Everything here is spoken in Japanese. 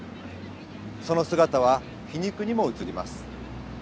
その姿は皮肉にも映ります。